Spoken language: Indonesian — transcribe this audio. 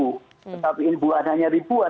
tetapi bukan hanya ribuan